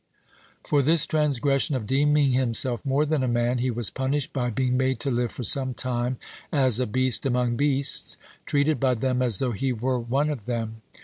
(101) For this transgression of deeming himself more than a man, he was punished by being made to live for some time as a beast among beasts, treated by them as though he were one of them.